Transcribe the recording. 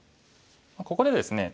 ここでですね